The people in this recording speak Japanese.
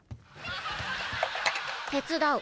手伝う。